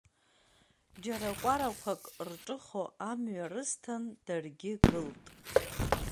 Џьара кәарақәак рҿыхо, амҩа рысҭан, даргьы гылт.